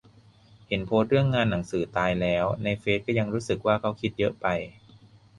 เห็นโพสต์เรื่องงานหนังสือตายแล้วในเฟสก็ยังรู้สึกว่าเค้าคิดเยอะไป